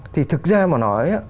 thì thực ra mà nói